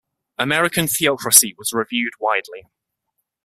"American Theocracy" was reviewed widely.